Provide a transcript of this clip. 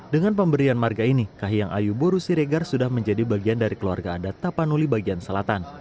dengan pemberian marga ini kahiyang ayu boru siregar sudah menjadi bagian dari keluarga adat tapanuli bagian selatan